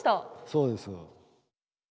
そうです。